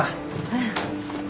うん。